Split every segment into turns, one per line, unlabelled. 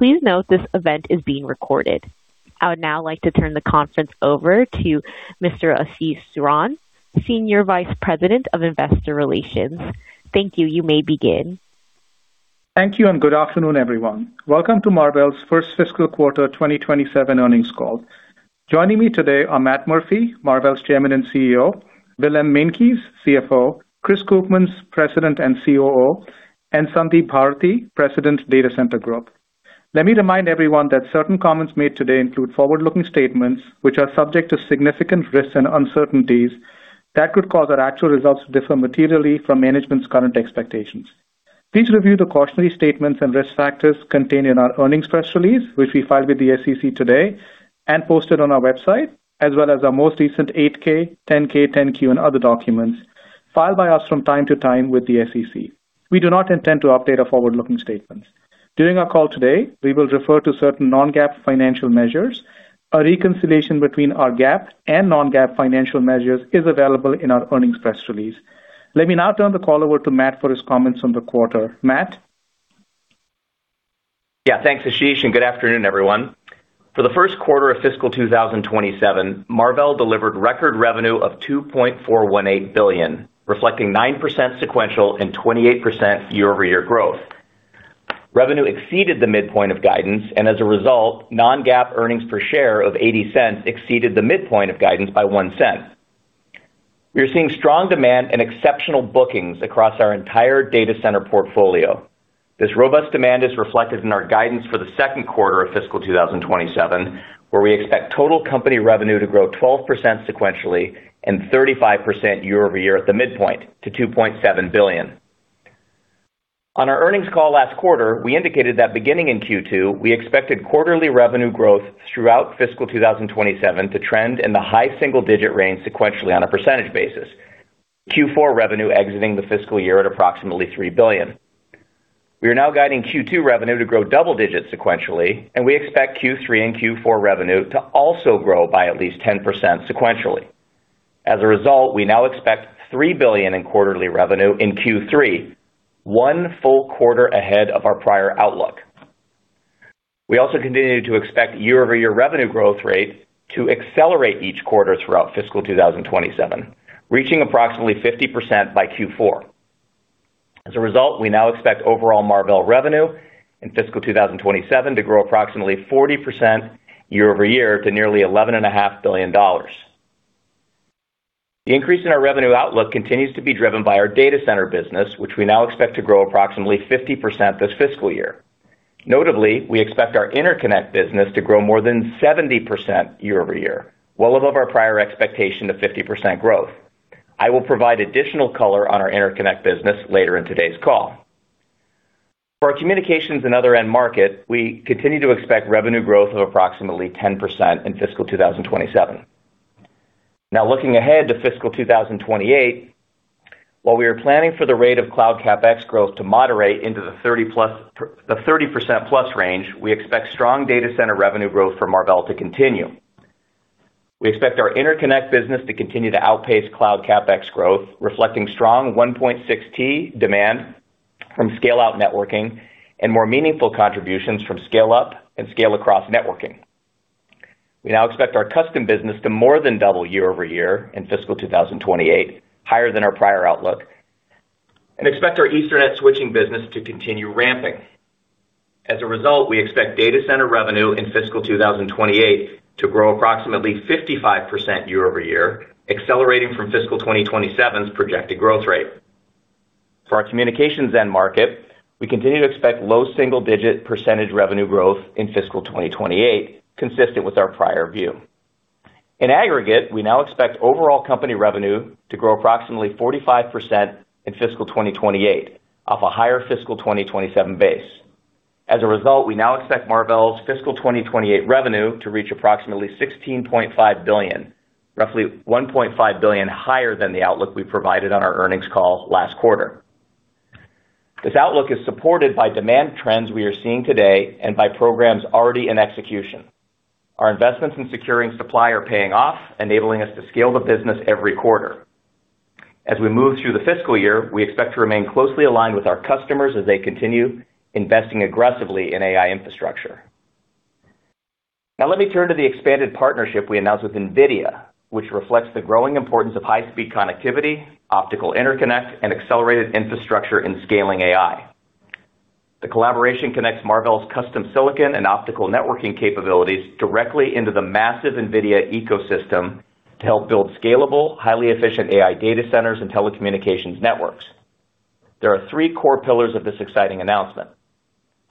Please note this event is being recorded. I would now like to turn the conference over to Mr. Ashish Saran, Senior Vice President of Investor Relations. Thank you. You may begin.
Thank you. Good afternoon, everyone. Welcome to Marvell's first fiscal quarter 2027 earnings call. Joining me today are Matt Murphy, Marvell's Chairman and CEO, Willem Meintjes, CFO, Chris Koopmans, President and COO, and Sandeep Bharathi, President, Data Center Group. Let me remind everyone that certain comments made today include forward-looking statements, which are subject to significant risks and uncertainties that could cause our actual results to differ materially from management's current expectations. Please review the cautionary statements and risk factors contained in our earnings press release, which we filed with the SEC today and posted on our website, as well as our most recent 8-K, 10-K, 10-Q, and other documents filed by us from time to time with the SEC. We do not intend to update our forward-looking statements. During our call today, we will refer to certain non-GAAP financial measures. A reconciliation between our GAAP and non-GAAP financial measures is available in our earnings press release. Let me now turn the call over to Matt for his comments on the quarter. Matt?
Thanks, Ashish, good afternoon, everyone. For the first quarter of fiscal 2027, Marvell delivered record revenue of $2.418 billion, reflecting 9% sequential and 28% year-over-year growth. Revenue exceeded the midpoint of guidance, as a result, non-GAAP earnings per share of $0.80 exceeded the midpoint of guidance by $0.01. We are seeing strong demand and exceptional bookings across our entire data center portfolio. This robust demand is reflected in our guidance for the second quarter of fiscal 2027, where we expect total company revenue to grow 12% sequentially and 35% year-over-year at the midpoint to $2.7 billion. On our earnings call last quarter, we indicated that beginning in Q2, we expected quarterly revenue growth throughout fiscal 2027 to trend in the high single-digit range sequentially on a percentage basis. Q4 revenue exiting the fiscal year at approximately $3 billion. We are now guiding Q2 revenue to grow double digits sequentially, and we expect Q3 and Q4 revenue to also grow by at least 10% sequentially. As a result, we now expect $3 billion in quarterly revenue in Q3, one full quarter ahead of our prior outlook. We also continue to expect year-over-year revenue growth rate to accelerate each quarter throughout fiscal 2027, reaching approximately 50% by Q4. As a result, we now expect overall Marvell Technology revenue in fiscal 2027 to grow approximately 40% year-over-year to nearly $11.5 billion. The increase in our revenue outlook continues to be driven by our data center business, which we now expect to grow approximately 50% this fiscal year. Notably, we expect our interconnect business to grow more than 70% year-over-year, well above our prior expectation of 50% growth. I will provide additional color on our interconnect business later in today's call. For our communications and other end market, we continue to expect revenue growth of approximately 10% in fiscal 2027. Looking ahead to fiscal 2028, while we are planning for the rate of cloud CapEx growth to moderate into the 30%+ range, we expect strong data center revenue growth for Marvell to continue. We expect our interconnect business to continue to outpace cloud CapEx growth, reflecting strong 1.6 T demand from scale-out networking and more meaningful contributions from scale-up and scale-across networking. We now expect our custom business to more than double year-over-year in fiscal 2028, higher than our prior outlook, and expect our Ethernet switching business to continue ramping. As a result, we expect data center revenue in fiscal 2028 to grow approximately 55% year-over-year, accelerating from fiscal 2027's projected growth rate. For our communications end market, we continue to expect low single-digit percentage revenue growth in fiscal 2028, consistent with our prior view. In aggregate, we now expect overall company revenue to grow approximately 45% in fiscal 2028, off a higher fiscal 2027 base. As a result, we now expect Marvell's fiscal 2028 revenue to reach approximately $16.5 billion, roughly $1.5 billion higher than the outlook we provided on our earnings call last quarter. This outlook is supported by demand trends we are seeing today and by programs already in execution. Our investments in securing supply are paying off, enabling us to scale the business every quarter. As we move through the fiscal year, we expect to remain closely aligned with our customers as they continue investing aggressively in AI infrastructure. Now let me turn to the expanded partnership we announced with NVIDIA, which reflects the growing importance of high-speed connectivity, optical interconnect, and accelerated infrastructure in scaling AI. The collaboration connects Marvell's custom silicon and optical networking capabilities directly into the massive NVIDIA ecosystem to help build scalable, highly efficient AI data centers and telecommunications networks. There are three core pillars of this exciting announcement.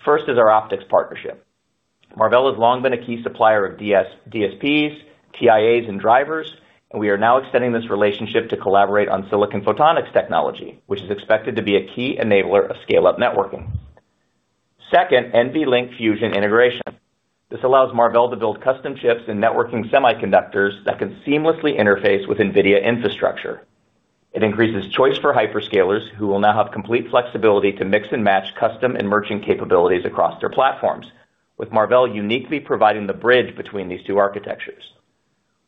First is our optics partnership. Marvell has long been a key supplier of DSPs, TIAs, and drivers, and we are now extending this relationship to collaborate on silicon photonics technology, which is expected to be a key enabler of scale-up networking. Second, NVLink Fusion integration. This allows Marvell to build custom chips and networking semiconductors that can seamlessly interface with NVIDIA infrastructure. It increases choice for hyperscalers who will now have complete flexibility to mix and match custom and merchant capabilities across their platforms, with Marvell uniquely providing the bridge between these two architectures.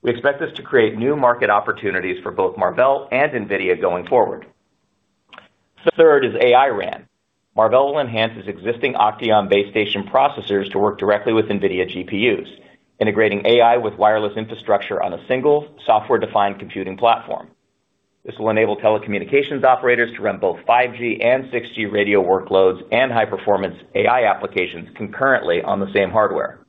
We expect this to create new market opportunities for both Marvell and NVIDIA going forward. Third is AI RAN. Marvell will enhance its existing OCTEON base station processors to work directly with NVIDIA GPUs, integrating AI with wireless infrastructure on a single software-defined computing platform. This will enable telecommunications operators to run both 5G and 6G radio workloads and high-performance AI applications concurrently on the same hardware.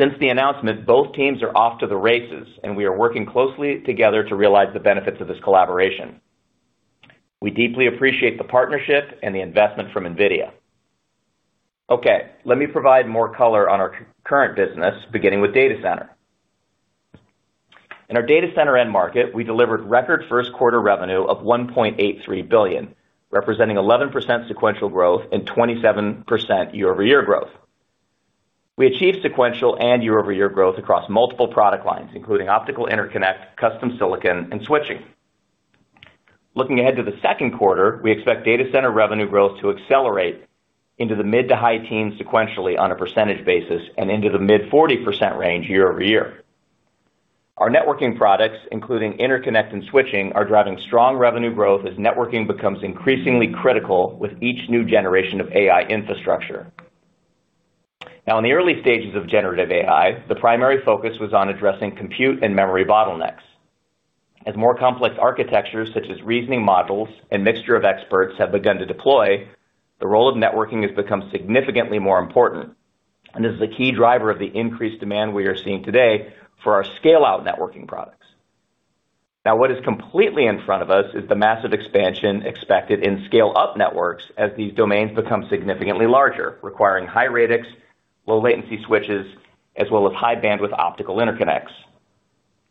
Since the announcement, both teams are off to the races, and we are working closely together to realize the benefits of this collaboration. We deeply appreciate the partnership and the investment from NVIDIA. Okay, let me provide more color on our current business, beginning with data center. In our data center end market, we delivered record first quarter revenue of $1.83 billion, representing 11% sequential growth and 27% year-over-year growth. We achieved sequential and year-over-year growth across multiple product lines, including optical interconnect, custom silicon, and switching. Looking ahead to the second quarter, we expect data center revenue growth to accelerate into the mid to high teens sequentially on a percentage basis and into the mid 40% range year-over-year. Our networking products, including interconnect and switching, are driving strong revenue growth as networking becomes increasingly critical with each new generation of AI infrastructure. In the early stages of generative AI, the primary focus was on addressing compute and memory bottlenecks. As more complex architectures such as reasoning models and mixture of experts have begun to deploy, the role of networking has become significantly more important and is the key driver of the increased demand we are seeing today for our scale-out networking products. What is completely in front of us is the massive expansion expected in scale-up networks as these domains become significantly larger, requiring high radix, low latency switches, as well as high bandwidth optical interconnects.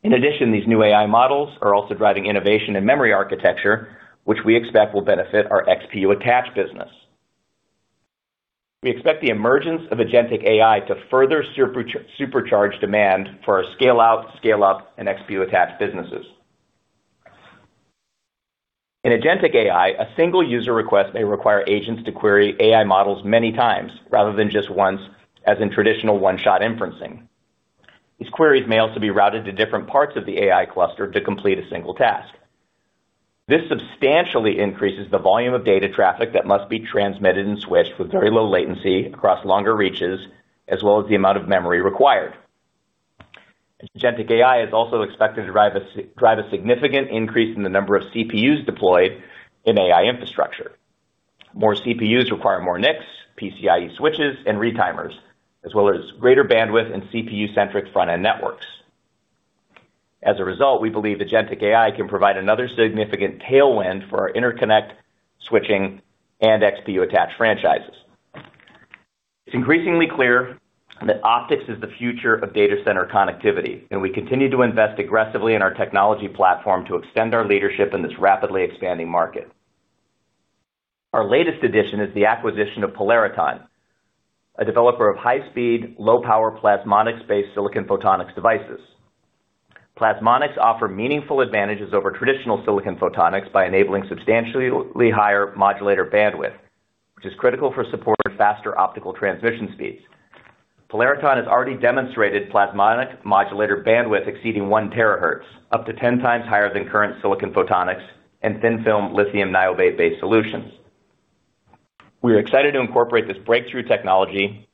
In addition, these new AI models are also driving innovation in memory architecture, which we expect will benefit our XPU attach business. We expect the emergence of agentic AI to further supercharge demand for our scale-out, scale-up and XPU attach businesses. In agentic AI, a single user request may require agents to query AI models many times rather than just once, as in traditional one-shot inferencing. These queries may also be routed to different parts of the AI cluster to complete a single task. This substantially increases the volume of data traffic that must be transmitted and switched with very low latency across longer reaches, as well as the amount of memory required. Agentic AI is also expected to drive a significant increase in the number of CPUs deployed in AI infrastructure. More CPUs require more NICs, PCIe switches and retimers, as well as greater bandwidth and CPU-centric front-end networks. As a result, we believe agentic AI can provide another significant tailwind for our interconnect switching and XPU attach franchises. It is increasingly clear that optics is the future of data center connectivity, and we continue to invest aggressively in our technology platform to extend our leadership in this rapidly expanding market. Our latest addition is the acquisition of Polariton, a developer of high-speed, low-power plasmonics-based silicon photonics devices. Plasmonics offer meaningful advantages over traditional silicon photonics by enabling substantially higher modulator bandwidth, which is critical for supporting faster optical transmission speeds. Polariton has already demonstrated plasmonic modulator bandwidth exceeding 1 THz, up to 10x higher than current silicon photonics and thin-film lithium niobate-based solutions. We are excited to incorporate this breakthrough technology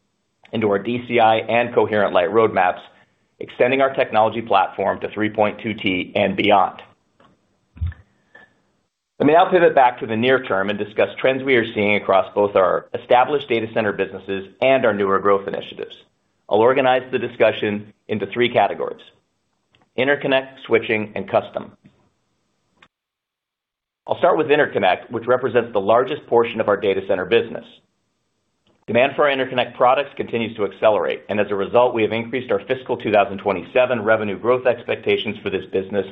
into our DCI and coherent-lite roadmaps, extending our technology platform to 3.2 T and beyond. Let me now pivot back to the near-term and discuss trends we are seeing across both our established data center businesses and our newer growth initiatives. I'll organize the discussion into three categories: interconnect, switching, and custom. I'll start with interconnect, which represents the largest portion of our data center business. Demand for our interconnect products continues to accelerate, and as a result, we have increased our fiscal 2027 revenue growth expectations for this business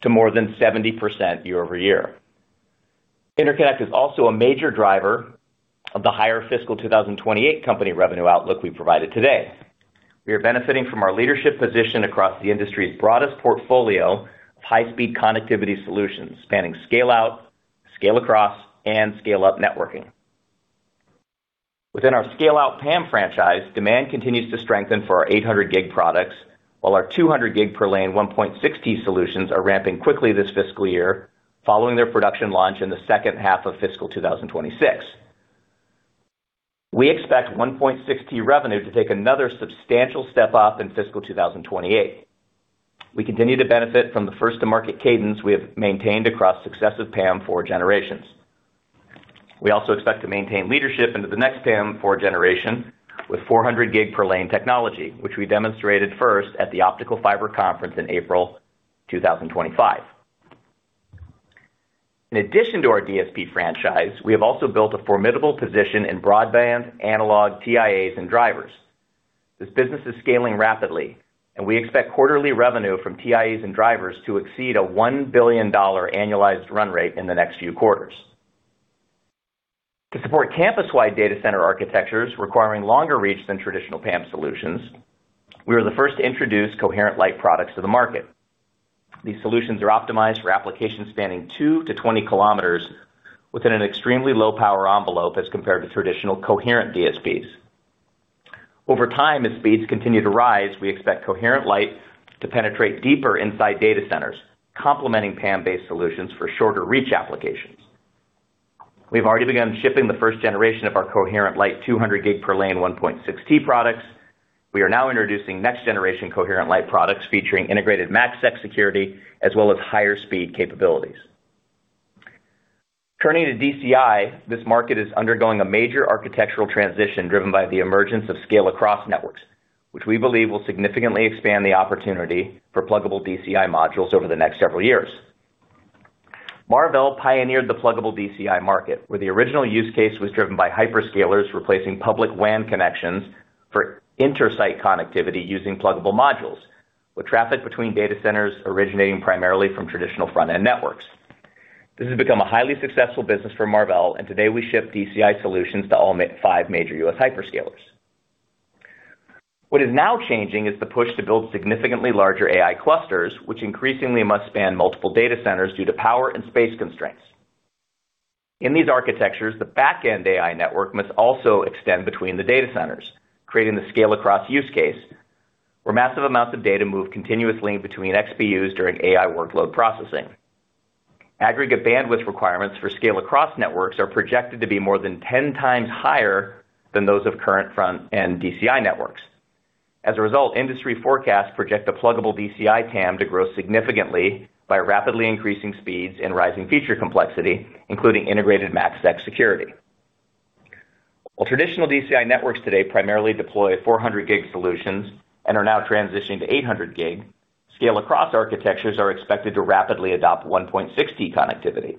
to more than 70% year-over-year. Interconnect is also a major driver of the higher fiscal 2028 company revenue outlook we provided today. We are benefiting from our leadership position across the industry's broadest portfolio of high speed connectivity solutions, spanning scale-out, scale-across, and scale-up networking. Within our scale-out PAM franchise, demand continues to strengthen for our 800 G products, while our 200 G per lane 1.6 T solutions are ramping quickly this fiscal year, following their production launch in the second half of fiscal 2026. We expect 1.6 T revenue to take another substantial step up in fiscal 2028. We continue to benefit from the first to market cadence we have maintained across successive PAM4 generations. We also expect to maintain leadership into the next PAM4 generation with 400 G per lane technology, which we demonstrated first at the Optical Fiber Conference in April 2025. In addition to our DSP franchise, we have also built a formidable position in broadband, analog, TIAs and drivers. This business is scaling rapidly, and we expect quarterly revenue from TIAs and drivers to exceed a $1 billion annualized run rate in the next few quarters. To support campus-wide data center architectures requiring longer reach than traditional PAM solutions, we were the first to introduce coherent light products to the market. These solutions are optimized for applications spanning 2-20 km within an extremely low power envelope as compared to traditional coherent DSPs. Over time, as speeds continue to rise, we expect coherent light to penetrate deeper inside data centers, complementing PAM-based solutions for shorter reach applications. We've already begun shipping the first generation of our coherent light 200 G per lane 1.6 T products. We are now introducing next generation coherent light products featuring integrated MACsec security as well as higher speed capabilities. Turning to DCI, this market is undergoing a major architectural transition driven by the emergence of scale-across networks, which we believe will significantly expand the opportunity for pluggable DCI modules over the next several years. Marvell pioneered the pluggable DCI market, where the original use case was driven by hyperscalers replacing public WAN connections for intersite connectivity using pluggable modules, with traffic between data centers originating primarily from traditional front-end networks. This has become a highly successful business for Marvell, and today we ship DCI solutions to all five major U.S. hyperscalers. What is now changing is the push to build significantly larger AI clusters, which increasingly must span multiple data centers due to power and space constraints. In these architectures, the back-end AI network must also extend between the data centers, creating the scale-across use case, where massive amounts of data move continuously between XPUs during AI workload processing. Aggregate bandwidth requirements for scale-across networks are projected to be more than 10x higher than those of current front-end DCI networks. As a result, industry forecasts project the pluggable DCI TAM to grow significantly by rapidly increasing speeds and rising feature complexity, including integrated MACsec security. While traditional DCI networks today primarily deploy 400 G solutions and are now transitioning to 800 G, scale-across architectures are expected to rapidly adopt 1.6 T connectivity.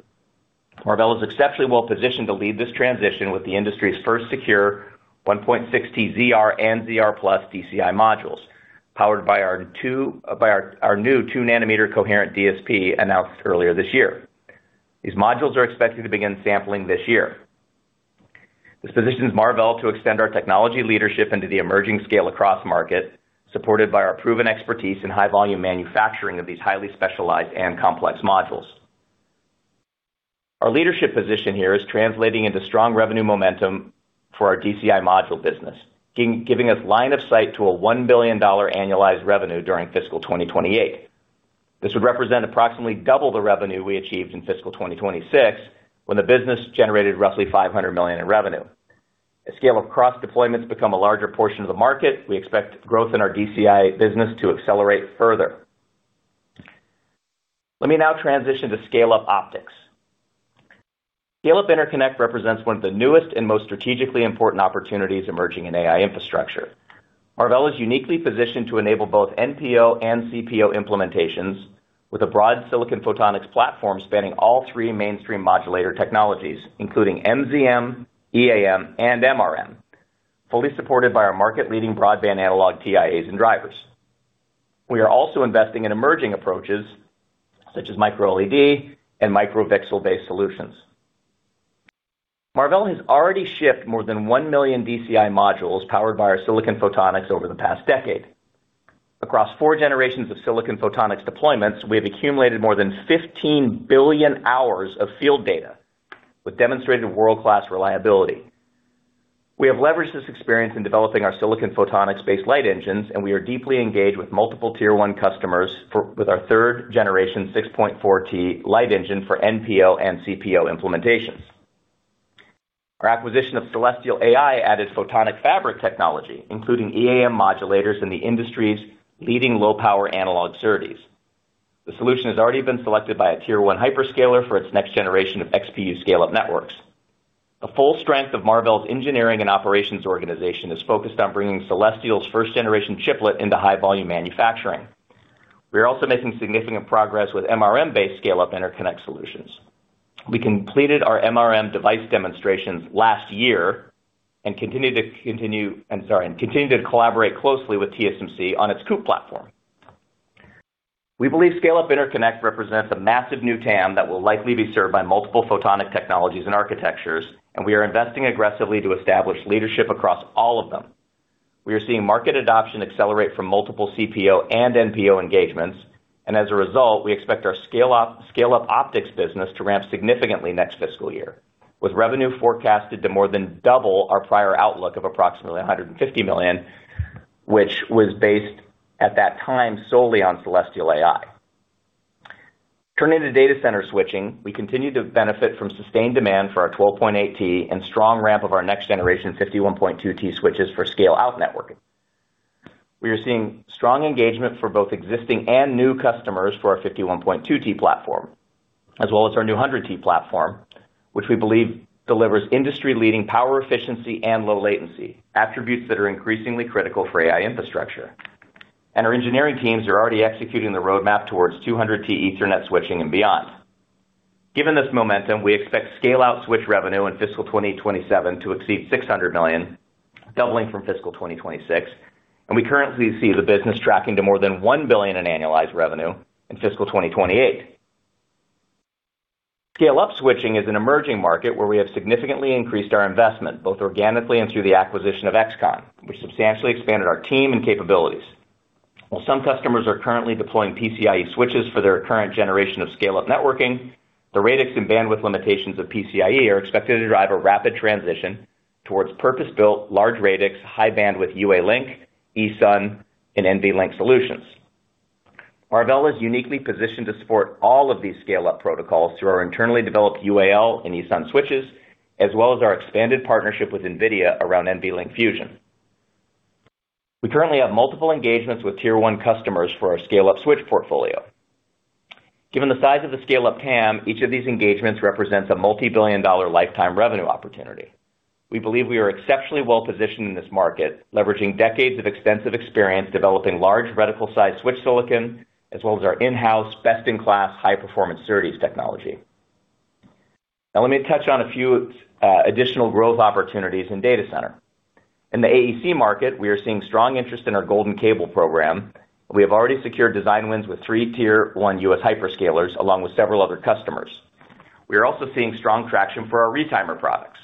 Marvell is exceptionally well positioned to lead this transition with the industry's first secure 1.6 T ZR and ZR+ DCI modules, powered by our new 2 nm coherent DSP announced earlier this year. These modules are expected to begin sampling this year. This positions Marvell to extend our technology leadership into the emerging scale-across market, supported by our proven expertise in high volume manufacturing of these highly specialized and complex modules. Our leadership position here is translating into strong revenue momentum for our DCI module business, giving us line of sight to a $1 billion annualized revenue during fiscal 2028. This would represent approximately double the revenue we achieved in fiscal 2026, when the business generated roughly $500 million in revenue. As scale-across deployments become a larger portion of the market, we expect growth in our DCI business to accelerate further. Let me now transition to scale-up optics. Scale-up interconnect represents one of the newest and most strategically important opportunities emerging in AI infrastructure. Marvell is uniquely positioned to enable both NPO and CPO implementations with a broad silicon photonics platform spanning all three mainstream modulator technologies, including MZM, EAM, and MRM, fully supported by our market-leading broadband analog TIAs and drivers. We are also investing in emerging approaches such as microLED and microVCSEL-based solutions. Marvell has already shipped more than 1 million DCI modules powered by our silicon photonics over the past decade. Across four generations of silicon photonics deployments, we have accumulated more than 15 billion hours of field data with demonstrated world-class reliability. We have leveraged this experience in developing our silicon photonics-based light engines, and we are deeply engaged with multiple Tier 1 customers with our third generation 6.4 T light engine for NPO and CPO implementations. Our acquisition of Celestial AI added photonic fabric technology, including EAM modulators and the industry's leading low power analog SerDes. The solution has already been selected by a Tier 1 hyperscaler for its next generation of XPU scale-up networks. The full strength of Marvell's engineering and operations organization is focused on bringing Celestial's first generation chiplet into high volume manufacturing. We are also making significant progress with MRM-based scale-up interconnect solutions. We completed our MRM device demonstrations last year and continue to collaborate closely with TSMC on its CoWoS platform. We believe scale-up interconnect represents a massive new TAM that will likely be served by multiple photonic technologies and architectures, and we are investing aggressively to establish leadership across all of them. We are seeing market adoption accelerate from multiple CPO and NPO engagements, as a result, we expect our scale-up optics business to ramp significantly next fiscal year, with revenue forecasted to more than double our prior outlook of approximately $150 million, which was based at that time solely on Celestial AI. Turning to data center switching, we continue to benefit from sustained demand for our 12.8 T and strong ramp of our next generation 51.2 T switches for scale-out networking. We are seeing strong engagement for both existing and new customers for our 51.2 T platform, as well as our new 100 T platform, which we believe delivers industry-leading power efficiency and low latency, attributes that are increasingly critical for AI infrastructure. Our engineering teams are already executing the roadmap towards 200 T Ethernet switching and beyond. Given this momentum, we expect scale-out switch revenue in fiscal 2027 to exceed $600 million, doubling from fiscal 2026, and we currently see the business tracking to more than $1 billion in annualized revenue in fiscal 2028. Scale-up switching is an emerging market where we have significantly increased our investment, both organically and through the acquisition of XConn. We substantially expanded our team and capabilities. While some customers are currently deploying PCIe switches for their current generation of scale-up networking, the radix and bandwidth limitations of PCIe are expected to drive a rapid transition towards purpose-built, large radix, high bandwidth UALink, ESUN, and NVLink solutions. Marvell is uniquely positioned to support all of these scale-up protocols through our internally developed UALink and ESUN switches, as well as our expanded partnership with NVIDIA around NVLink Fusion. We currently have multiple engagements with Tier 1 customers for our scale-up switch portfolio. Given the size of the scale-up TAM, each of these engagements represents a multi-billion dollar lifetime revenue opportunity. We believe we are exceptionally well-positioned in this market, leveraging decades of extensive experience developing large reticle size switch silicon, as well as our in-house best in class high performance SerDes technology. Now let me touch on a few additional growth opportunities in data center. In the AEC market, we are seeing strong interest in our Golden Cable program, and we have already secured design wins with three Tier 1 U.S. hyperscalers, along with several other customers. We are also seeing strong traction for our retimer products.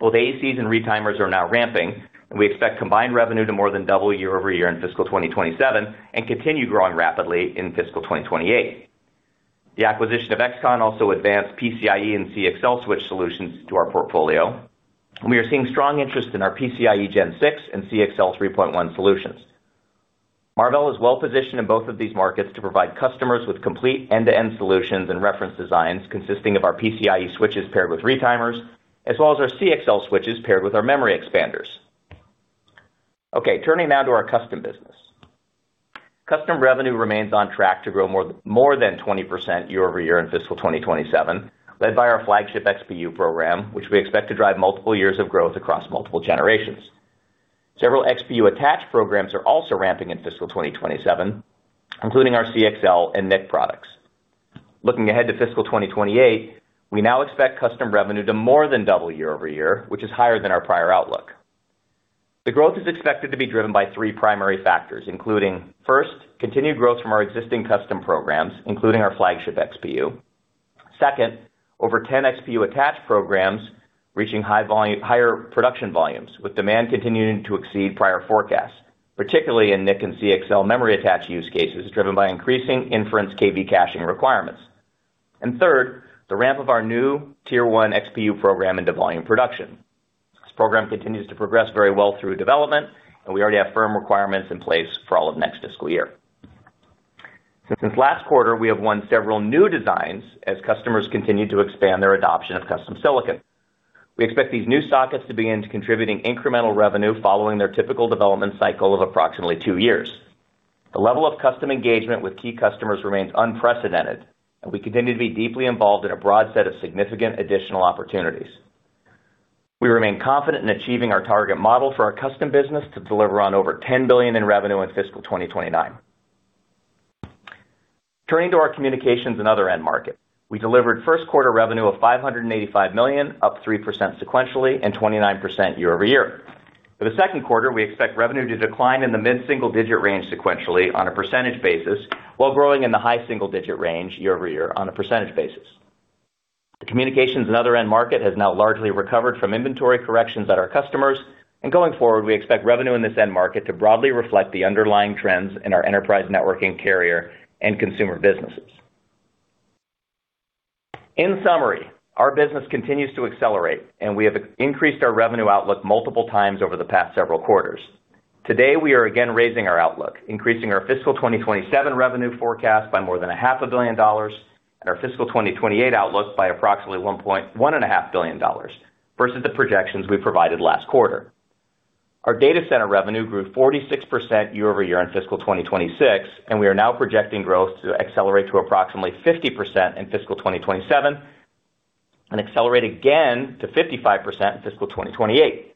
Both AECs and retimers are now ramping, and we expect combined revenue to more than double year-over-year in fiscal 2027 and continue growing rapidly in fiscal 2028. The acquisition of XConn also advanced PCIe and CXL switch solutions to our portfolio, and we are seeing strong interest in our PCIe Gen 6 and CXL 3.1 solutions. Marvell is well-positioned in both of these markets to provide customers with complete end-to-end solutions and reference designs consisting of our PCIe switches paired with retimers, as well as our CXL switches paired with our memory expanders. Okay, turning now to our custom business. Custom revenue remains on track to grow more than 20% year-over-year in fiscal 2027, led by our flagship XPU program, which we expect to drive multiple years of growth across multiple generations. Several XPU attach programs are also ramping in fiscal 2027, including our CXL and NIC products. Looking ahead to fiscal 2028, we now expect custom revenue to more than double year-over-year, which is higher than our prior outlook. The growth is expected to be driven by three primary factors, including, first, continued growth from our existing custom programs, including our flagship XPU. Second, over 10 XPU attach programs reaching higher production volumes, with demand continuing to exceed prior forecasts, particularly in NIC and CXL memory attach use cases, driven by increasing inference KV caching requirements. Third, the ramp of our new Tier 1 XPU program into volume production. This program continues to progress very well through development, and we already have firm requirements in place for all of next fiscal year. Since last quarter, we have won several new designs as customers continue to expand their adoption of custom silicon. We expect these new sockets to begin contributing incremental revenue following their typical development cycle of approximately two years. The level of custom engagement with key customers remains unprecedented, and we continue to be deeply involved in a broad set of significant additional opportunities. We remain confident in achieving our target model for our custom business to deliver on over $10 billion in revenue in fiscal 2029. Turning to our communications and other end market. We delivered first quarter revenue of $585 million, up 3% sequentially and 29% year-over-year. For the second quarter, we expect revenue to decline in the mid-single digit range sequentially on a percentage basis, while growing in the high single digit range year-over-year on a percentage basis. The communications and other end market has now largely recovered from inventory corrections at our customers, and going forward, we expect revenue in this end market to broadly reflect the underlying trends in our enterprise networking carrier and consumer businesses. In summary, our business continues to accelerate and we have increased our revenue outlook multiple times over the past several quarters. Today, we are again raising our outlook, increasing our fiscal 2027 revenue forecast by more than $500 million and our fiscal 2028 outlook by approximately $1.5 billion, versus the projections we provided last quarter. Our data center revenue grew 46% year-over-year in fiscal 2026, and we are now projecting growth to accelerate to approximately 50% in fiscal 2027 and accelerate again to 55% in fiscal 2028.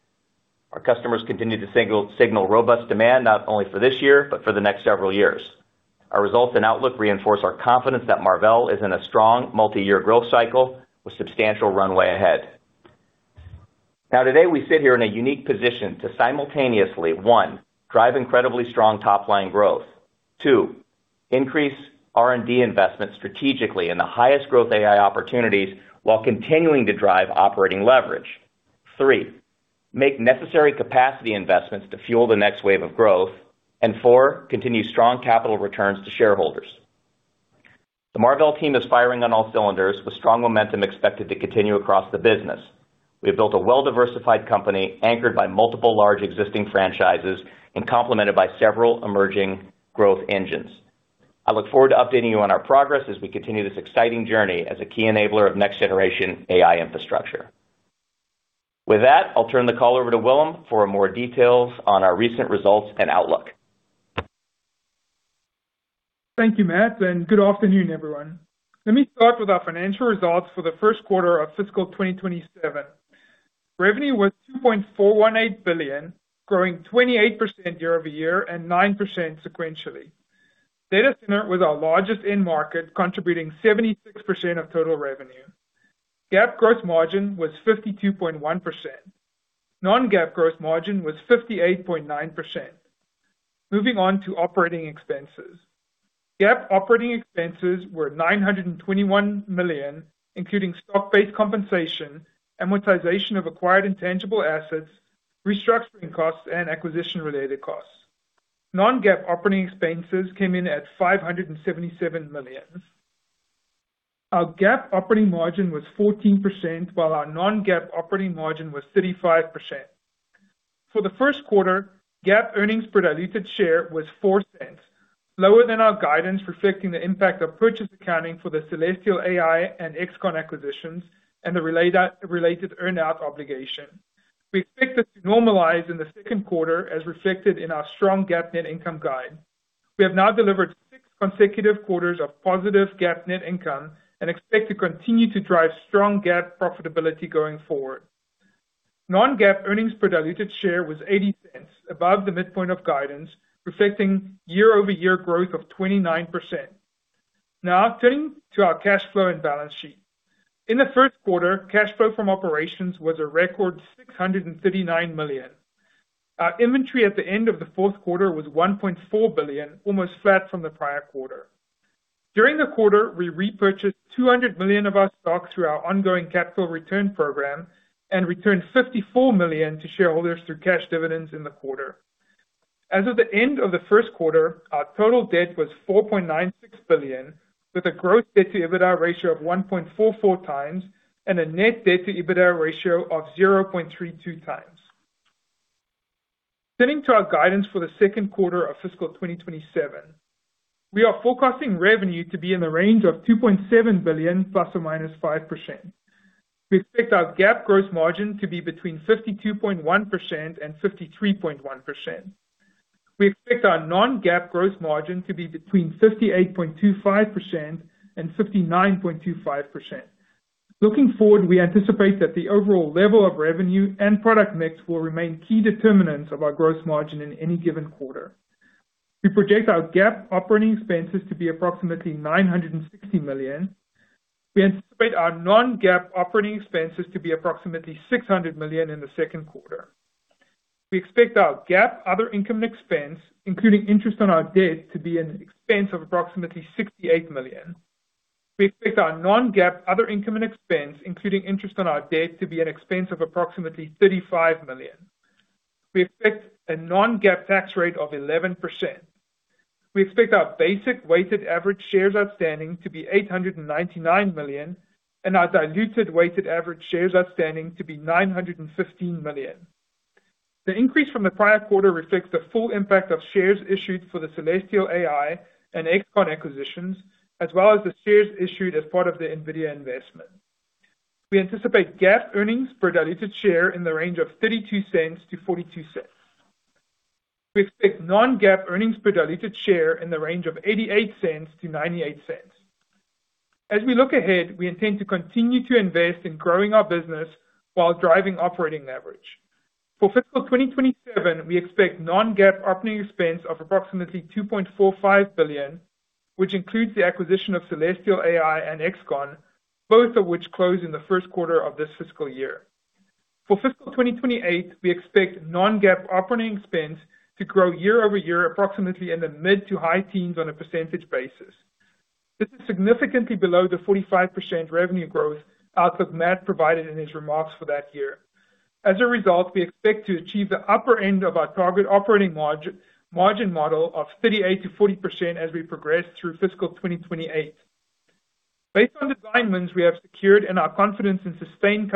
Our customers continue to signal robust demand, not only for this year, but for the next several years. Our results and outlook reinforce our confidence that Marvell is in a strong multi-year growth cycle with substantial runway ahead. Today, we sit here in a unique position to simultaneously, one, drive incredibly strong top-line growth. Two, increase R&D investment strategically in the highest growth AI opportunities while continuing to drive operating leverage. Three, make necessary capacity investments to fuel the next wave of growth. Four, continue strong capital returns to shareholders. The Marvell team is firing on all cylinders with strong momentum expected to continue across the business. We have built a well-diversified company anchored by multiple large existing franchises and complemented by several emerging growth engines. I look forward to updating you on our progress as we continue this exciting journey as a key enabler of next generation AI infrastructure. With that, I'll turn the call over to Willem for more details on our recent results and outlook.
Thank you, Matt, good afternoon, everyone. Let me start with our financial results for the first quarter of fiscal 2027. Revenue was $2.418 billion, growing 28% year-over-year and 9% sequentially. Data center was our largest end market, contributing 76% of total revenue. GAAP gross margin was 52.1%. Non-GAAP gross margin was 58.9%. Moving on to operating expenses. GAAP operating expenses were $921 million, including stock-based compensation, amortization of acquired intangible assets, restructuring costs, and acquisition-related costs. Non-GAAP operating expenses came in at $577 million. Our GAAP operating margin was 14%, while our non-GAAP operating margin was 35%. For the first quarter, GAAP earnings per diluted share was $0.04, lower than our guidance, reflecting the impact of purchase accounting for the Celestial AI and Xconn acquisitions and the related earn-out obligation. We expect this to normalize in the second quarter, as reflected in our strong GAAP net income guide. We have now delivered six consecutive quarters of positive GAAP net income and expect to continue to drive strong GAAP profitability going forward. Non-GAAP earnings per diluted share was $0.80, above the midpoint of guidance, reflecting year-over-year growth of 29%. Turning to our cash flow and balance sheet. In the first quarter, cash flow from operations was a record $639 million. Our inventory at the end of the fourth quarter was $1.4 billion, almost flat from the prior quarter. During the quarter, we repurchased $200 million of our stock through our ongoing capital return program and returned $54 million to shareholders through cash dividends in the quarter. As of the end of the first quarter, our total debt was $4.96 billion, with a gross debt-to-EBITDA ratio of 1.44x and a net debt-to-EBITDA ratio of 0.32x. Turning to our guidance for the second quarter of fiscal 2027. We are forecasting revenue to be in the range of $2.7 billion ±5%. We expect our GAAP gross margin to be between 52.1% and 53.1%. We expect our non-GAAP gross margin to be between 58.25% and 59.25%. Looking forward, we anticipate that the overall level of revenue and product mix will remain key determinants of our gross margin in any given quarter. We project our GAAP operating expenses to be approximately $960 million. We anticipate our non-GAAP operating expenses to be approximately $600 million in the second quarter. We expect our GAAP other income expense, including interest on our debt, to be an expense of approximately $68 million. We expect our non-GAAP other income and expense, including interest on our debt, to be an expense of approximately $35 million. We expect a non-GAAP tax rate of 11%. We expect our basic weighted average shares outstanding to be 899 million and our diluted weighted average shares outstanding to be 915 million. The increase from the prior quarter reflects the full impact of shares issued for the Celestial AI and XConn acquisitions, as well as the shares issued as part of the NVIDIA investment. We anticipate GAAP earnings per diluted share in the range of $0.32-$0.42. We expect non-GAAP earnings per diluted share in the range of $0.88-$0.98. As we look ahead, we intend to continue to invest in growing our business while driving operating leverage. For fiscal 2027, we expect non-GAAP operating expense of approximately $2.45 billion, which includes the acquisition of Celestial AI and XConn, both of which close in the first quarter of this fiscal year. For fiscal 2028, we expect non-GAAP operating expense to grow year-over-year approximately in the mid to high teens on a percentage basis. This is significantly below the 45% revenue growth outlook Matt provided in his remarks for that year. As a result, we expect to achieve the upper end of our target operating margin model of 38%-40% as we progress through fiscal 2028. Based on the design wins we have secured and our confidence in sustained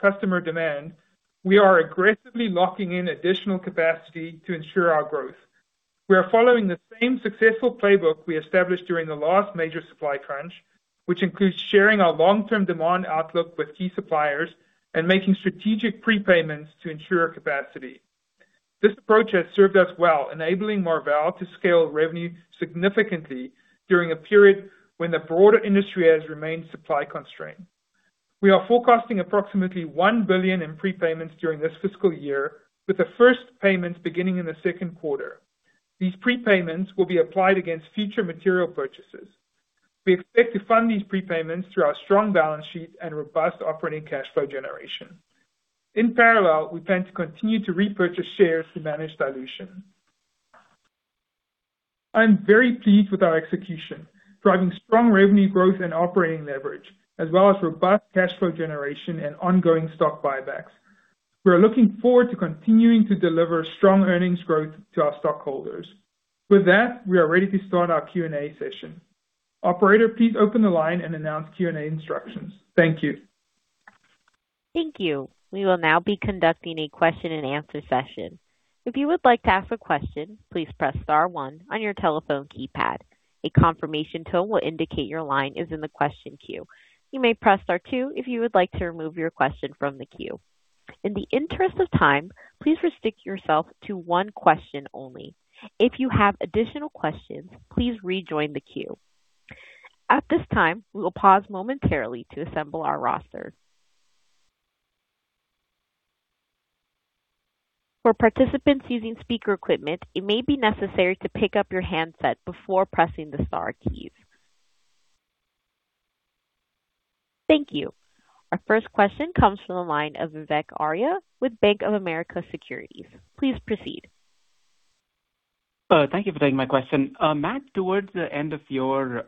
customer demand, we are aggressively locking in additional capacity to ensure our growth. We are following the same successful playbook we established during the last major supply crunch, which includes sharing our long-term demand outlook with key suppliers and making strategic prepayments to ensure capacity. This approach has served us well, enabling Marvell to scale revenue significantly during a period when the broader industry has remained supply constrained. We are forecasting approximately $1 billion in prepayments during this fiscal year, with the first payments beginning in the second quarter. These prepayments will be applied against future material purchases. We expect to fund these prepayments through our strong balance sheet and robust operating cash flow generation. In parallel, we plan to continue to repurchase shares to manage dilution. I am very pleased with our execution, driving strong revenue growth and operating leverage, as well as robust cash flow generation and ongoing stock buybacks. We are looking forward to continuing to deliver strong earnings growth to our stockholders. With that, we are ready to start our Q&A session. Operator, please open the line and announce Q&A instructions. Thank you.
Thank you. We will now be conducting a question and answer session. If you would like to ask a question, please press star one on your telephone keypad. A confirmation tone will indicate your line is in the question queue. You may press star two if you would like to remove your question from the queue. In the interest of time, please restrict yourself to one question only. If you have additional questions, please rejoin the queue. At this time, we'll pause momentarily to assemble our roster. Participants who use a speaker equipment, it may be necessary to pickup your handset before pressing the star keys. Thank you. Our first question comes from the line of Vivek Arya with Bank of America Securities. Please proceed.
Thank you for taking my question. Matt, towards the end of your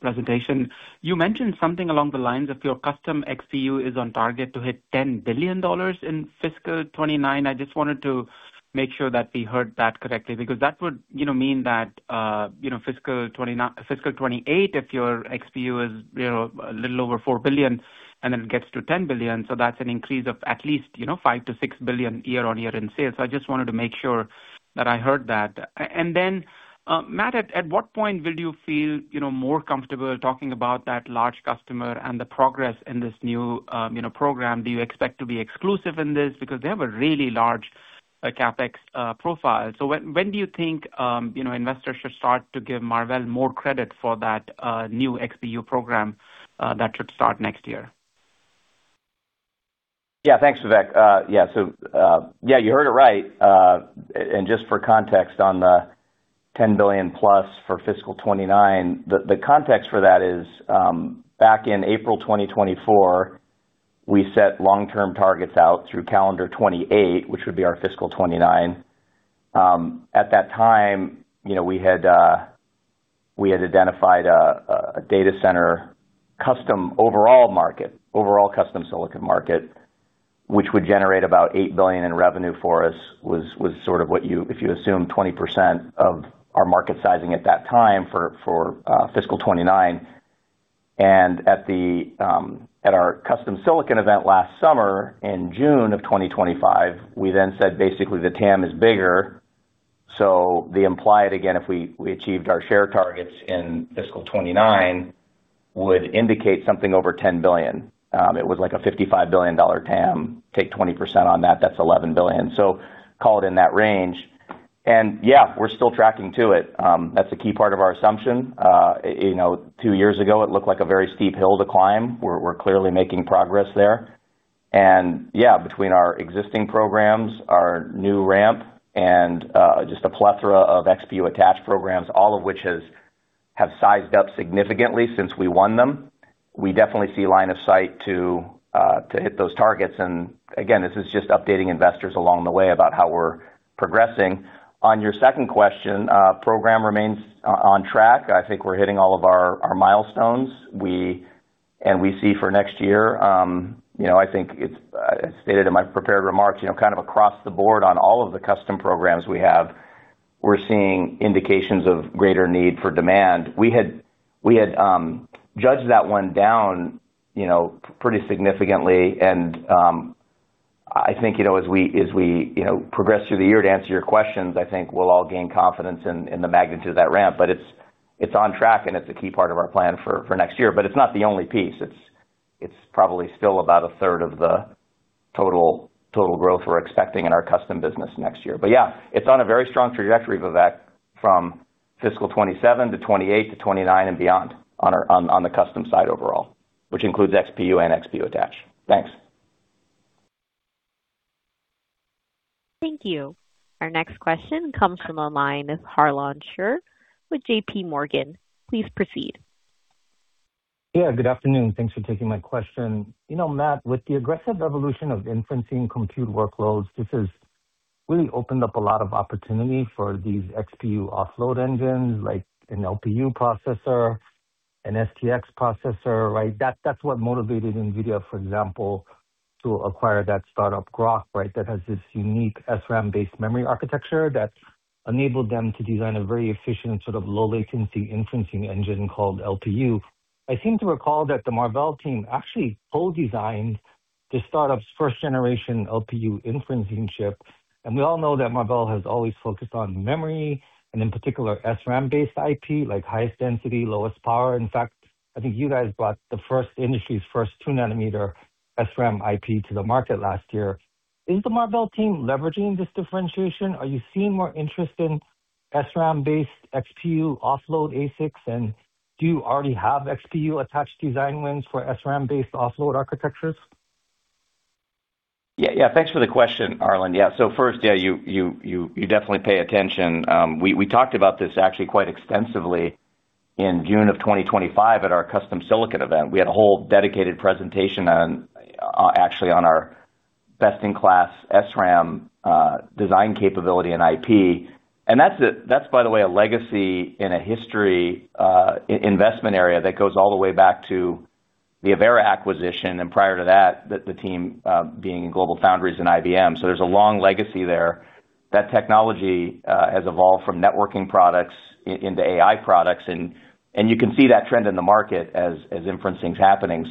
presentation, you mentioned something along the lines of your custom XPU is on target to hit $10 billion in fiscal 2029. I just wanted to make sure that we heard that correctly, because that would mean that fiscal 2028, if your XPU is a little over $4 billion and then it gets to $10 billion, that's an increase of at least $5 billion-$6 billion year-over-year in sales. I just wanted to make sure that I heard that. Then, Matt, at what point will you feel more comfortable talking about that large customer and the progress in this new program? Do you expect to be exclusive in this? Because they have a really large CapEx profile. When do you think investors should start to give Marvell more credit for that new XPU program that should start next year?
Yeah, thanks, Vivek. Yeah, you heard it right. Just for context on the $10 billion+ for fiscal 2029, the context for that is, back in April 2024, we set long-term targets out through calendar 2028, which would be our fiscal 2029. At that time, we had identified a data center custom overall market, overall custom silicon market, which would generate about $8 billion in revenue for us, was sort of what you if you assume 20% of our market sizing at that time for fiscal 2029. At our custom silicon event last summer in June of 2025, we then said basically the TAM is bigger. The implied, again, if we achieved our share targets in fiscal 2029, would indicate something over $10 billion. It was like a $55 billion TAM. Take 20% on that's $11 billion. Call it in that range. Yeah, we're still tracking to it. That's a key part of our assumption. Two years ago, it looked like a very steep hill to climb. We're clearly making progress there. Yeah, between our existing programs, our new ramp, and just a plethora of XPU attach programs, all of which have sized up significantly since we won them. We definitely see line of sight to hit those targets. Again, this is just updating investors along the way about how we're progressing. On your second question, program remains on track. I think we're hitting all of our milestones. We see for next year, I think it's stated in my prepared remarks, kind of across the board on all of the custom programs we have, we're seeing indications of greater need for demand. We had judged that one down pretty significantly. I think as we progress through the year, to answer your questions, I think we'll all gain confidence in the magnitude of that ramp. It's on track, and it's a key part of our plan for next year. It's not the only piece. It's probably still about 1/3 of the total growth we're expecting in our custom business next year. Yeah, it's on a very strong trajectory, Vivek, from fiscal 2027 to 2028 to 2029 and beyond on the custom side overall, which includes XPU and XPU attach. Thanks.
Thank you. Our next question comes from the line of Harlan Sur with JPMorgan. Please proceed.
Good afternoon. Thanks for taking my question. Matt, with the aggressive evolution of inferencing compute workloads, this has really opened up a lot of opportunity for these XPU offload engines like an LPU processor, an STX processor, right? That's what motivated NVIDIA, for example, to acquire that startup Groq, right? That has this unique SRAM-based memory architecture that's enabled them to design a very efficient sort of low latency inferencing engine called LPU. I seem to recall that the Marvell team actually co-designed the startup's first generation LPU inferencing chip. We all know that Marvell has always focused on memory and in particular SRAM-based IP, like highest density, lowest power. In fact, I think you guys brought the industry's first 2 nm SRAM IP to the market last year. Is the Marvell team leveraging this differentiation? Are you seeing more interest in SRAM-based XPU offload ASICs, and do you already have XPU attached design wins for SRAM-based offload architectures?
Thanks for the question, Harlan. First, you definitely pay attention. We talked about this actually quite extensively in June of 2025 at our custom silicon event. We had a whole dedicated presentation actually on our best-in-class SRAM design capability and IP. That's, by the way, a legacy and a history investment area that goes all the way back to the Avera acquisition and prior to that, the team being in GlobalFoundries and IBM. There's a long legacy there. That technology has evolved from networking products into AI products, and you can see that trend in the market as inferencing is happening.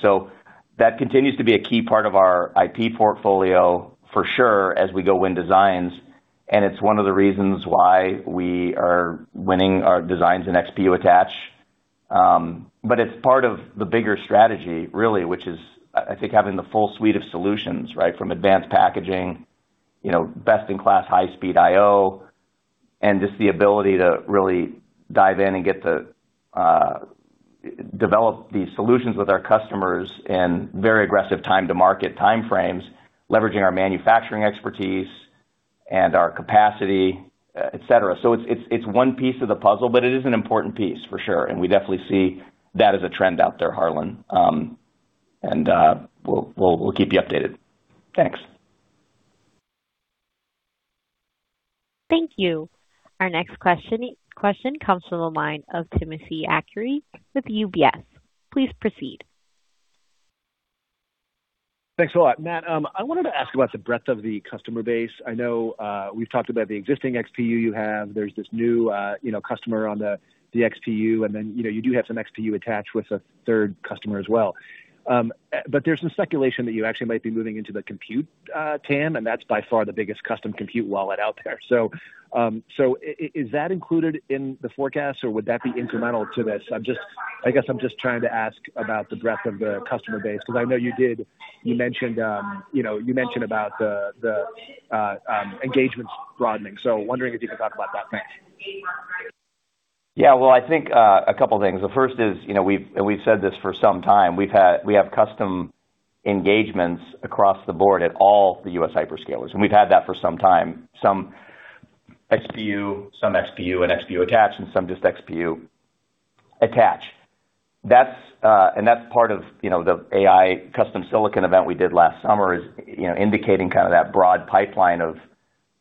That continues to be a key part of our IP portfolio for sure as we go win designs, and it's one of the reasons why we are winning our designs in XPU attach. It's part of the bigger strategy really, which is, I think having the full suite of solutions, right, from advanced packaging, best-in-class high speed I/O, and just the ability to really dive in and get to develop these solutions with our customers in very aggressive time to market time frames, leveraging our manufacturing expertise and our capacity, et cetera. It's one piece of the puzzle, but it is an important piece for sure, and we definitely see that as a trend out there, Harlan. We'll keep you updated.
Thanks.
Thank you. Our next question comes from the line of Timothy Arcuri with UBS. Please proceed.
Thanks a lot. Matt, I wanted to ask about the breadth of the customer base. I know we've talked about the existing XPU you have. There's this new customer on the XPU, and then you do have some XPU attach with a third customer as well. There's some speculation that you actually might be moving into the compute TAM, and that's by far the biggest custom compute wallet out there. Is that included in the forecast, or would that be incremental to this? I guess I'm just trying to ask about the breadth of the customer base, because I know you mentioned about the engagements broadening. Wondering if you could talk about that. Thanks.
Well, I think a couple of things. The first is, we've said this for some time, we have custom engagements across the board at all the U.S. hyperscalers, and we've had that for some time. Some XPU, some XPU and XPU attach, some just XPU attach. That's part of the AI custom silicon event we did last summer, is indicating that broad pipeline of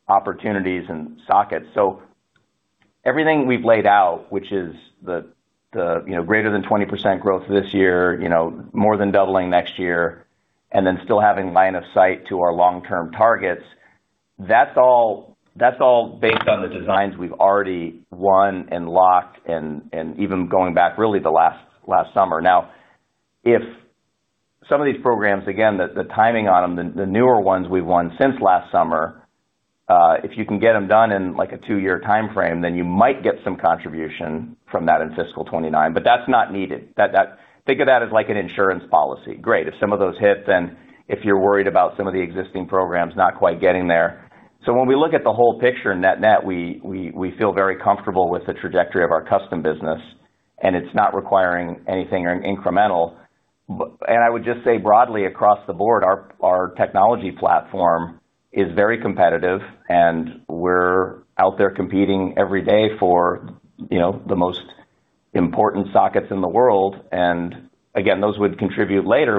opportunities and sockets. Everything we've laid out, which is the greater than 20% growth this year, more than doubling next year, then still having line of sight to our long-term targets. That's all based on the designs we've already won and locked and even going back, really, the last summer. If some of these programs, again, the timing on them, the newer ones we've won since last summer, if you can get them done in a two-year timeframe, then you might get some contribution from that in fiscal 2029, but that's not needed. Think of that as like an insurance policy. Great, if some of those hit, then if you're worried about some of the existing programs not quite getting there. When we look at the whole picture net-net, we feel very comfortable with the trajectory of our custom business, and it's not requiring anything incremental. I would just say broadly across the board, our technology platform is very competitive, and we're out there competing every day for the most important sockets in the world. Again, those would contribute later.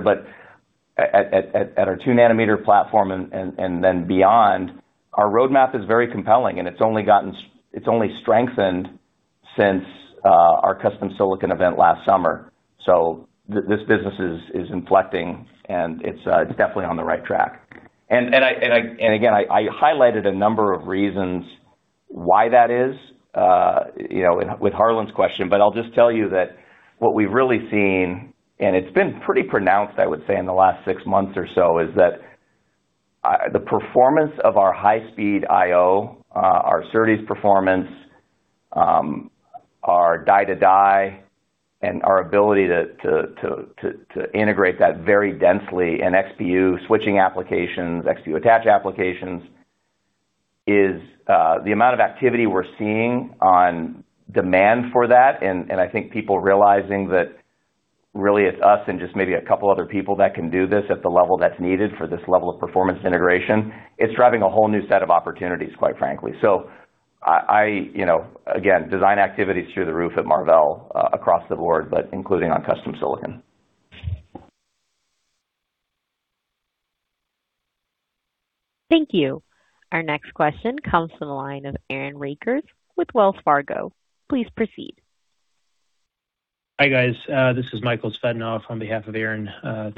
At our 2 nm platform and then beyond, our roadmap is very compelling, and it's only strengthened since our custom silicon event last summer. This business is inflecting, and it's definitely on the right track. Again, I highlighted a number of reasons why that is with Harlan's question, but I'll just tell you that what we've really seen, and it's been pretty pronounced, I would say, in the last six months or so, is that the performance of our high-speed I/O, our SerDes performance, our die-to-die, and our ability to integrate that very densely in XPU switching applications, XPU attach applications, is the amount of activity we're seeing on demand for that, I think people realizing that really it's us and just maybe a couple other people that can do this at the level that's needed for this level of performance integration. It's driving a whole new set of opportunities, quite frankly. Again, design activity is through the roof at Marvell across the board, but including on custom silicon.
Thank you. Our next question comes from the line of Aaron Rakers with Wells Fargo. Please proceed.
Hi, guys. This is Michael Tsvetanov on behalf of Aaron.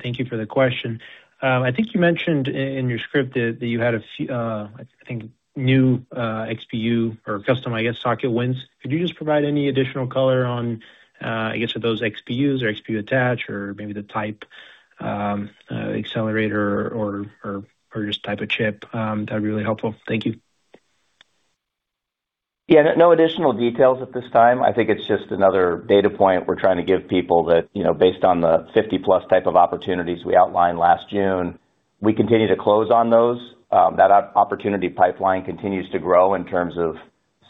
Thank you for the question. I think you mentioned in your script that you had a few, I think, new XPU or custom, I guess, socket wins. Could you just provide any additional color on, I guess, those XPUs or XPU attach or maybe the type accelerator or just type of chip? That'd be really helpful. Thank you.
Yeah, no additional details at this time. I think it's just another data point we're trying to give people that based on the 50+ type of opportunities we outlined last June, we continue to close on those. That opportunity pipeline continues to grow in terms of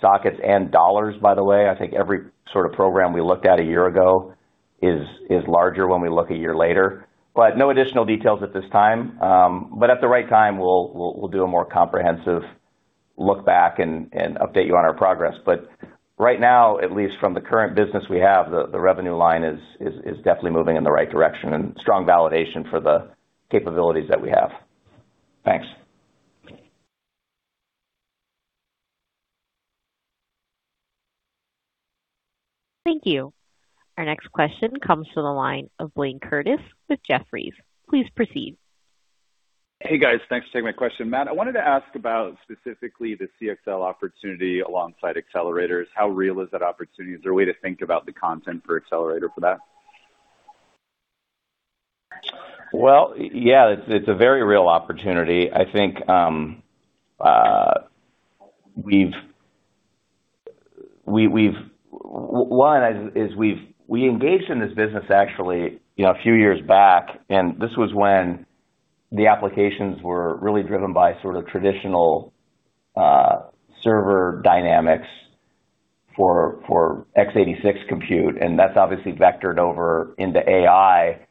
sockets and dollars, by the way. I think every program we looked at a year ago is larger when we look a year later. No additional details at this time. At the right time, we'll do a more comprehensive look back and update you on our progress. Right now, at least from the current business we have, the revenue line is definitely moving in the right direction and strong validation for the capabilities that we have.
Thanks.
Thank you. Our next question comes to the line of Blayne Curtis with Jefferies. Please proceed.
Hey, guys. Thanks for taking my question. Matt, I wanted to ask about specifically the CXL opportunity alongside accelerators. How real is that opportunity? Is there a way to think about the content for accelerator for that?
Well, yeah, it's a very real opportunity. One, is we engaged in this business actually a few years back, and this was when the applications were really driven by traditional server dynamics for x86 compute, and that's obviously vectored over into AI.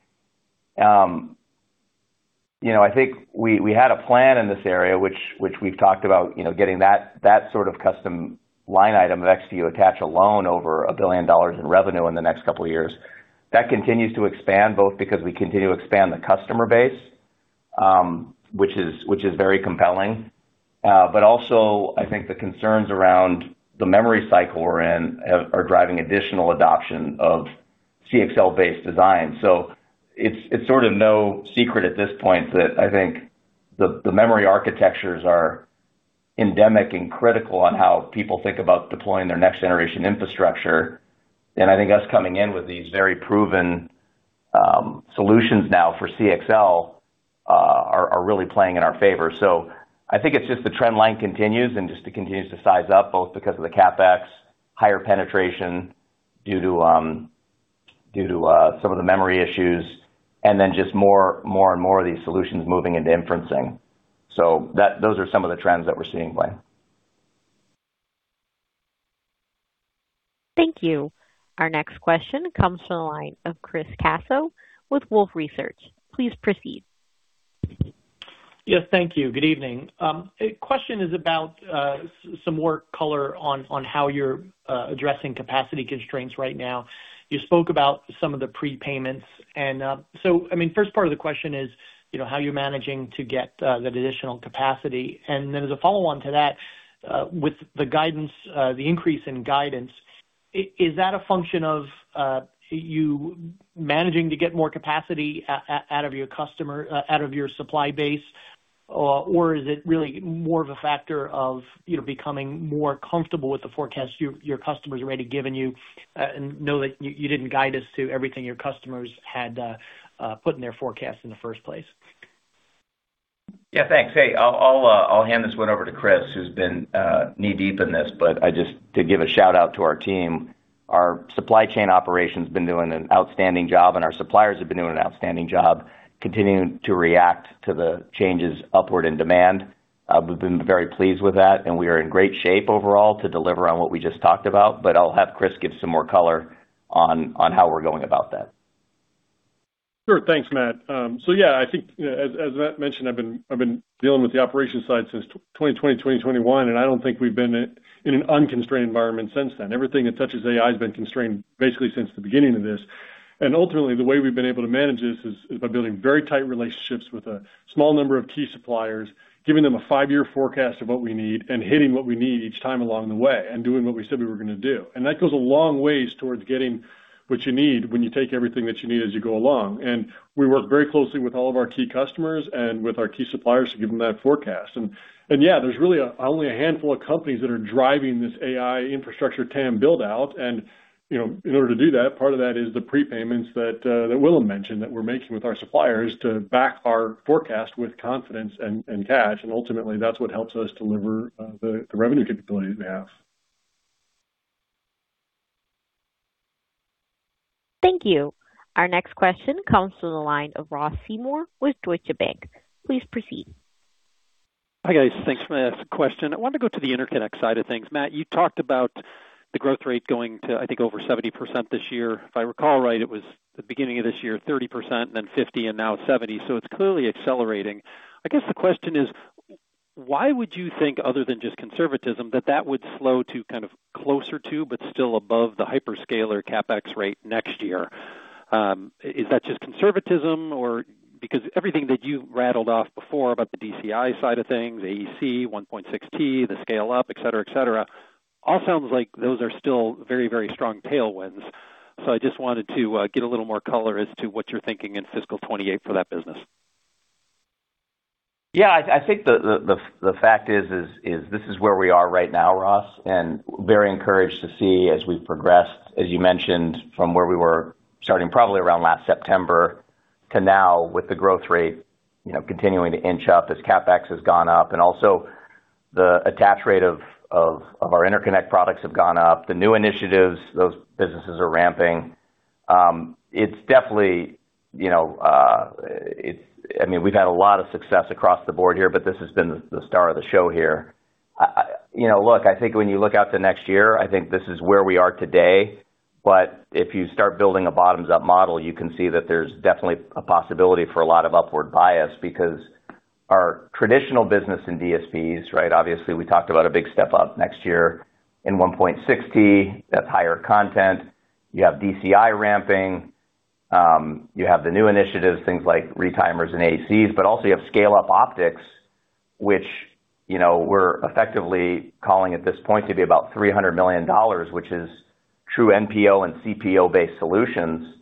I think we had a plan in this area, which we've talked about, getting that sort of custom line item of XPU attach alone over $1 billion in revenue in the next couple of years. That continues to expand both because we continue to expand the customer base, which is very compelling. Also, I think the concerns around the memory cycle we're in are driving additional adoption of CXL-based design. It's sort of no secret at this point that I think the memory architectures are endemic and critical on how people think about deploying their next generation infrastructure. I think us coming in with these very proven solutions now for CXL are really playing in our favor. I think it's just the trend line continues and just it continues to size up both because of the CapEx, higher penetration due to some of the memory issues, and then just more and more of these solutions moving into inferencing. Those are some of the trends that we're seeing, Blayne.
Thank you. Our next question comes from the line of Chris Caso with Wolfe Research. Please proceed.
Yes, thank you. Good evening. Question is about some more color on how you're addressing capacity constraints right now. You spoke about some of the prepayments. First part of the question is how you're managing to get that additional capacity. As a follow-on to that, with the increase in guidance, is that a function of you managing to get more capacity out of your supply base, or is it really more of a factor of becoming more comfortable with the forecast your customers already given you and know that you didn't guide us to everything your customers had put in their forecast in the first place?
Yeah, thanks. Hey, I'll hand this one over to Chris, who's been knee-deep in this. Just to give a shout-out to our team, our supply chain operation's been doing an outstanding job, and our suppliers have been doing an outstanding job continuing to react to the changes upward in demand. We've been very pleased with that, we are in great shape overall to deliver on what we just talked about. I'll have Chris give some more color on how we're going about that.
Sure. Thanks, Matt. Yeah, I think as Matt mentioned, I've been dealing with the operations side since 2020, 2021, and I don't think we've been in an unconstrained environment since then. Everything that touches AI has been constrained basically since the beginning of this. Ultimately, the way we've been able to manage this is by building very tight relationships with a small number of key suppliers, giving them a five-year forecast of what we need and hitting what we need each time along the way and doing what we said we were going to do. That goes a long ways towards getting what you need when you take everything that you need as you go along. We work very closely with all of our key customers and with our key suppliers to give them that forecast. Yeah, there's really only a handful of companies that are driving this AI infrastructure TAM build-out. In order to do that, part of that is the prepayments that Willem mentioned that we're making with our suppliers to back our forecast with confidence and cash. Ultimately, that's what helps us deliver the revenue capabilities we have.
Thank you. Our next question comes from the line of Ross Seymore with Deutsche Bank. Please proceed.
Hi, guys. Thanks, Matt. Question, I wanted to go to the interconnect side of things. Matt, you talked about the growth rate going to, I think, over 70% this year. If I recall right, it was the beginning of this year, 30%, then 50%, and now 70%, so it's clearly accelerating. I guess the question is why would you think, other than just conservatism, that that would slow to kind of closer to, but still above the hyperscaler CapEx rate next year? Is that just conservatism or because everything that you rattled off before about the DCI side of things, AEC, 1.6 T, the scale up, et cetera, all sounds like those are still very, very strong tailwinds. I just wanted to get a little more color as to what you're thinking in fiscal 2028 for that business.
I think the fact is this is where we are right now, Ross, and very encouraged to see as we've progressed, as you mentioned, from where we were starting probably around last September to now with the growth rate continuing to inch up as CapEx has gone up and also the attach rate of our interconnect products have gone up. The new initiatives, those businesses are ramping. We've had a lot of success across the board here, but this has been the star of the show here. I think when you look out to next year, I think this is where we are today. If you start building a bottoms-up model, you can see that there's definitely a possibility for a lot of upward bias because our traditional business in DSPs, obviously we talked about a big step up next year in 1.6 T. That's higher content. You have DCI ramping. You have the new initiatives, things like retimers and AECs, but also you have scale-up optics, which we're effectively calling at this point to be about $300 million, which is true NPO and CPO-based solutions.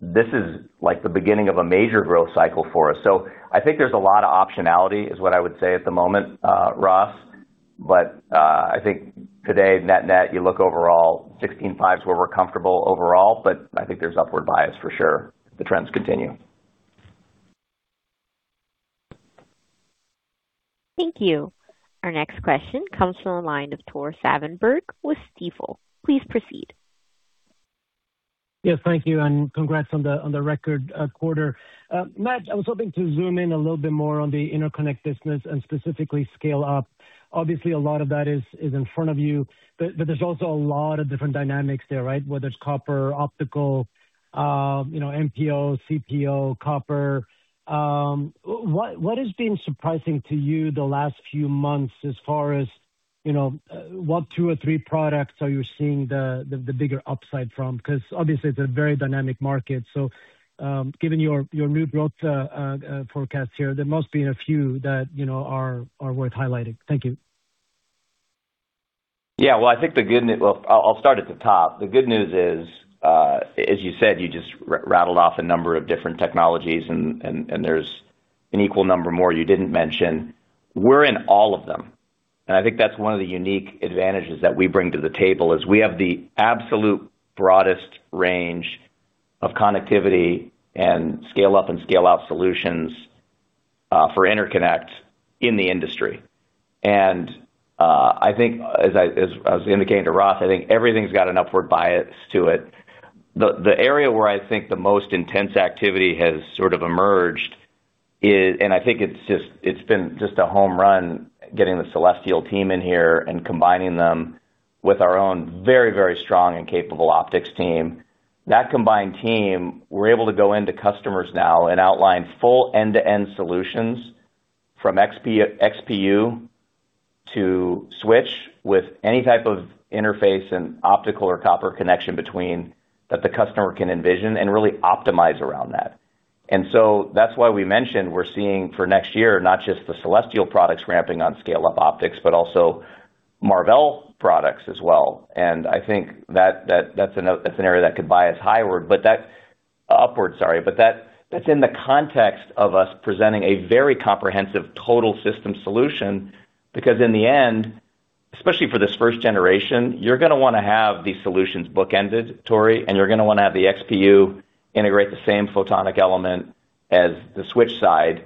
This is like the beginning of a major growth cycle for us. I think there's a lot of optionality is what I would say at the moment, Ross. I think today, net-net, you look overall $1`6.5 billion is where we're comfortable overall, but I think there's upward bias for sure. The trends continue.
Thank you. Our next question comes from the line of Tore Svanberg with Stifel. Please proceed.
Yes. Thank you, and congrats on the record quarter. Matt, I was hoping to zoom in a little bit more on the interconnect business and specifically scale-up. Obviously, a lot of that is in front of you. There's also a lot of different dynamics there, right? Whether it's copper, optical, MPO, CPO, copper. What has been surprising to you the last few months as far as what two or three products are you seeing the bigger upside from? Because obviously, it's a very dynamic market. Given your new growth forecast here, there must be a few that are worth highlighting. Thank you.
Yeah. Well, I'll start at the top. The good news is, as you said, you just rattled off a number of different technologies and there's an equal number more you didn't mention. We're in all of them. I think that's one of the unique advantages that we bring to the table is we have the absolute broadest range of connectivity and scale-up and scale-out solutions for interconnect in the industry. I think as I was indicating to Ross, I think everything's got an upward bias to it. The area where I think the most intense activity has sort of emerged is, and I think it's been just a home run getting the Celestial team in here and combining them with our own very, very strong and capable optics team. That combined team, we're able to go into customers now and outline full end-to-end solutions from XPU to switch with any type of interface and optical or copper connection between that the customer can envision and really optimize around that. That's why we mentioned we're seeing for next year not just the Celestial products ramping on scale-up optics, but also Marvell products as well. I think that's an area that could bias upward. That's in the context of us presenting a very comprehensive total system solution. In the end, especially for this first generation, you're going to want to have these solutions bookended, Tore, and you're going to want to have the XPU integrate the same photonic element as the switch side.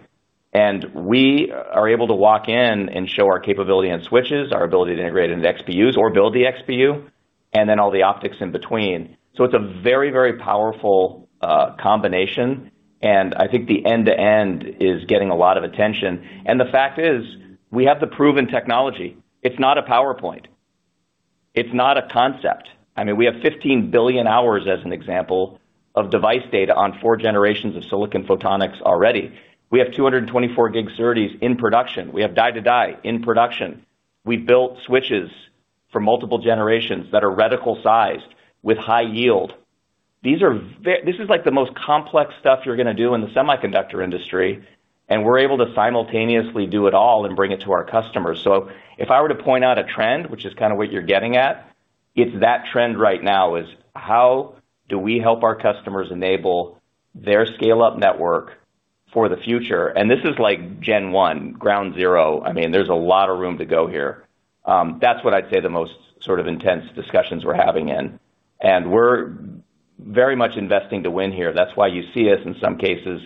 We are able to walk in and show our capability on switches, our ability to integrate into XPUs or build the XPU, and then all the optics in between. It's a very, very powerful combination, and I think the end-to-end is getting a lot of attention. The fact is, we have the proven technology. It's not a PowerPoint. It's not a concept. I mean, we have 15 billion hours as an example of device data on four generations of silicon photonics already. We have 224 G SerDes in production. We have die-to-die in production. We built switches for multiple generations that are reticle sized with high yield. This is like the most complex stuff you're going to do in the semiconductor industry, and we're able to simultaneously do it all and bring it to our customers. If I were to point out a trend, which is kind of what you're getting at, it's that trend right now is how do we help our customers enable their scale up network for the future? This is like Gen 1, ground zero. I mean, there's a lot of room to go here. That's what I'd say the most sort of intense discussions we're having in. We're very much investing to win here. That's why you see us, in some cases,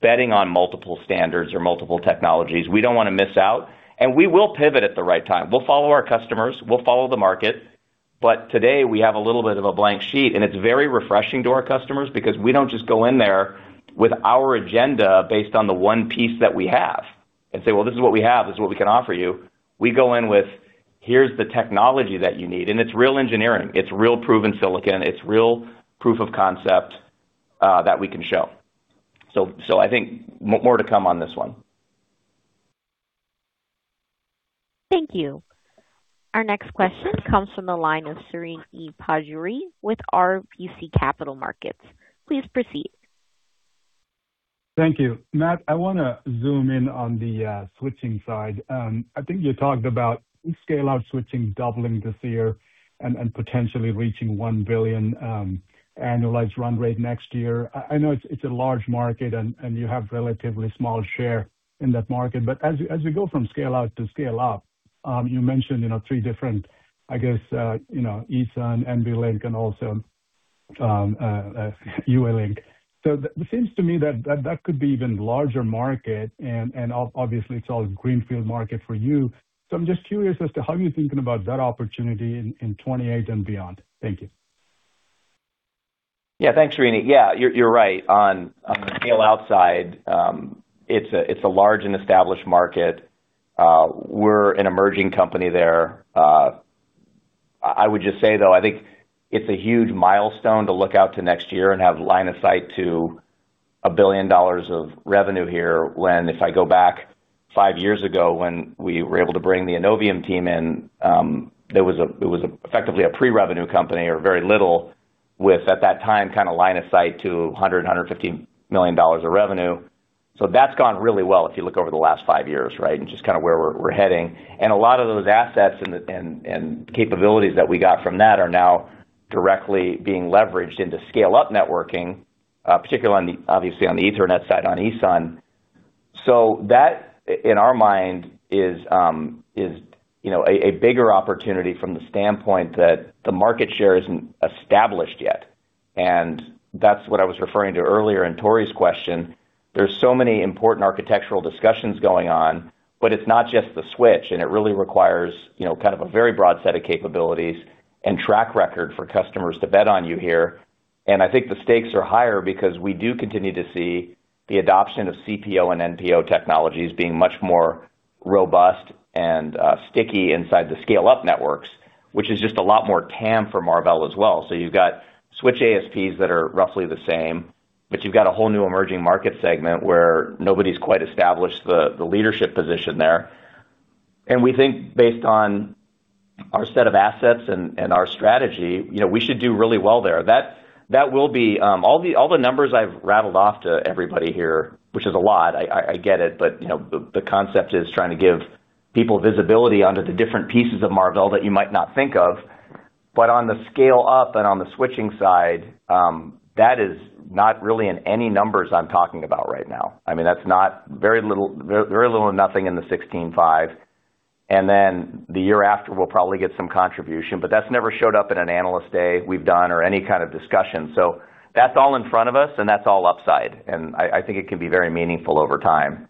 betting on multiple standards or multiple technologies. We don't want to miss out, and we will pivot at the right time. We'll follow our customers, we'll follow the market, but today we have a little bit of a blank sheet, and it's very refreshing to our customers because we don't just go in there with our agenda based on the one piece that we have and say, well, this is what we have. This is what we can offer you. We go in with, here's the technology that you need. It's real engineering. It's real proven silicon. It's real proof of concept that we can show. I think more to come on this one.
Thank you. Our next question comes from the line of Srini Pajjuri with RBC Capital Markets. Please proceed.
Thank you. Matt, I want to zoom in on the switching side. I think you talked about scale-out switching doubling this year and potentially reaching $1 billion annualized run rate next year. I know it's a large market and you have relatively small share in that market. As you go from scale-out to scale-up, you mentioned three different, I guess, ESUN, NVLink, and also UALink. It seems to me that could be even larger market and obviously it's all greenfield market for you. I'm just curious as to how you're thinking about that opportunity in 2028 and beyond. Thank you.
Thanks, Srini. You're right on the scale-out side. It's a large and established market. We're an emerging company there. I would just say though, I think it's a huge milestone to look out to next year and have line of sight to $1 billion of revenue here when if I go back five years ago when we were able to bring the Innovium team in, it was effectively a pre-revenue company or very little with, at that time, line of sight to $100 million, $150 million of revenue. That's gone really well if you look over the last five years, right? Just where we're heading. A lot of those assets and capabilities that we got from that are now directly being leveraged into scale-up networking, particularly obviously on the Ethernet side, on ESUN. That, in our mind is a bigger opportunity from the standpoint that the market share isn't established yet. That's what I was referring to earlier in Tore's question. There's so many important architectural discussions going on, it's not just the switch, it really requires a very broad set of capabilities and track record for customers to bet on you here. I think the stakes are higher because we do continue to see the adoption of CPO and NPO technologies being much more robust and sticky inside the scale-up networks, which is just a lot more TAM for Marvell as well. You've got switch ASPs that are roughly the same, you've got a whole new emerging market segment where nobody's quite established the leadership position there. We think based on our set of assets and our strategy, we should do really well there. All the numbers I've rattled off to everybody here, which is a lot, I get it, the concept is trying to give people visibility onto the different pieces of Marvell that you might not think of. On the scale up and on the switching side, that is not really in any numbers I'm talking about right now. Very little, nothing in the $16.5 billion. Then the year after, we'll probably get some contribution, but that's never showed up in an Analyst Day we've done or any kind of discussion. That's all in front of us, and that's all upside, and I think it can be very meaningful over time.